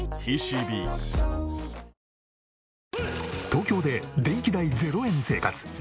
東京で電気代０円生活。